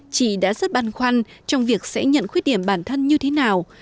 chị đã rất băn khoăn trong việc sẽ nhận khuyết điểm bản thân như thế nào